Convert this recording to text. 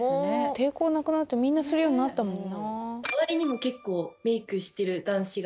抵抗なくなってみんなするようになったもんな